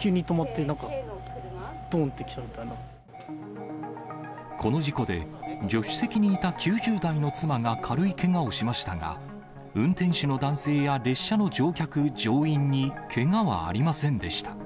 急に止まって、この事故で、助手席にいた９０代の妻が軽いけがをしましたが、運転手の男性や列車の乗客・乗員にけがはありませんでした。